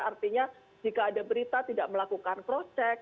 artinya jika ada berita tidak melakukan proses